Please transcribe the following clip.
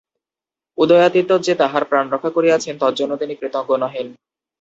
উদয়াদিত্য যে তাঁহার প্রাণ রক্ষা করিয়াছেন, তজ্জন্য তিনি কৃতজ্ঞ নহেন।